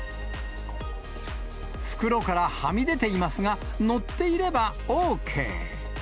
袋からはみ出ていますが、のっていればＯＫ。